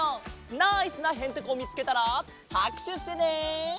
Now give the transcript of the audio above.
ナイスなヘンテコをみつけたらはくしゅしてね！